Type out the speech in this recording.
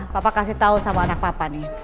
papa kasih tahu sama anak papa nih